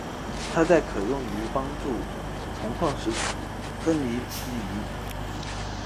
它可用于帮助从矿石中分离钼。